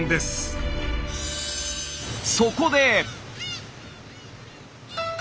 そこで！